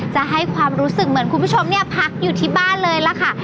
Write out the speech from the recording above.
จะให้ความรู้สึกเหมือนคุณผู้ชมเนี่ยพักอยู่ที่บ้านเลยล่ะค่ะ